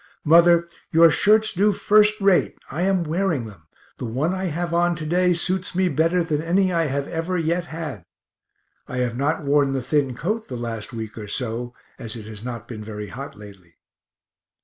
Mother, your shirts do first rate I am wearing them; the one I have on to day suits me better than any I have ever yet had. I have not worn the thin coat the last week or so, as it has not been very hot lately.